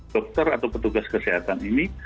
dokter atau petugas kesehatan ini